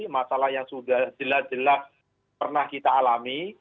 masalah yang sudah jelas jelas pernah kita alami